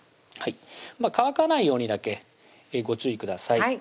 乾かないようにだけご注意ください